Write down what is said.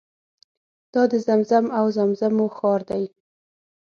دا د زمزم او زمزمو ښار دی.